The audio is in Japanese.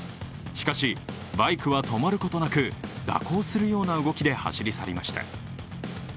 しかしバイクは止まることなく蛇行するような動きで走り去りました。